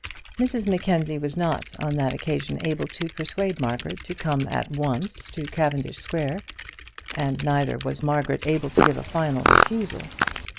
Mrs Mackenzie was not on that occasion able to persuade Margaret to come at once to Cavendish Square, and neither was Margaret able to give a final refusal.